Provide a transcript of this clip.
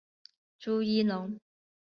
朱一龙